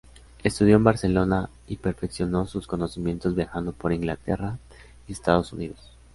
Estudió en Barcelona y perfeccionó sus conocimientos viajando por Inglaterra y Estados Unidos.